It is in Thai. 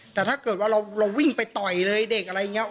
แต่ถ้าเกิดว่าเราวิ่งไปต่อยเลยเด็กอะไรอย่างนี้